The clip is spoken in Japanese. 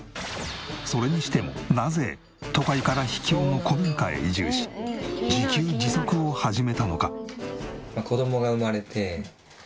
それにしてもなぜ都会から秘境の古民家へ移住し自給自足を始めたのか？